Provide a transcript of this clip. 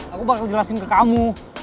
aku baru jelasin ke kamu